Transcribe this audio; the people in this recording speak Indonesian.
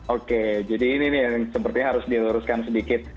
oke jadi ini nih yang sepertinya harus diluruskan sedikit